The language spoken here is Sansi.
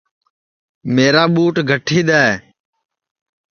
میرا ٻُوٹ گٹھی دؔے